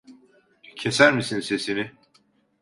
Keser misin sesini?